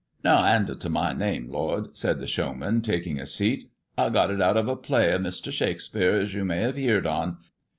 " No 'andle to my name, lord," said the showman, taking a seat. I got it out of a play of Mr. Shakespeare, as you may have heerd *on.